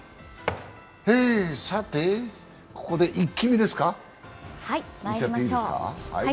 さて、ここで「イッキ見」ですか。